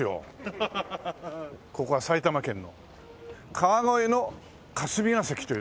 ここは埼玉県の川越の霞ケ関という。